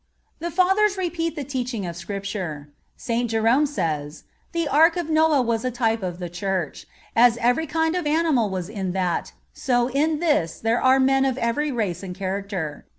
The Fathers repeat the teaching of Scripture. St. Jerome says: "The ark of Noah was a type of the Church. As every kind of animal was in that, so in this there are men of every race and character.